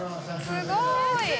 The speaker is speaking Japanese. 「すごい！」